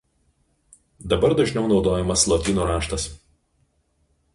Dabar dažniau naudojamas lotynų raštas.